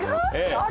あれ？